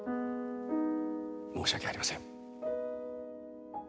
申し訳ありません。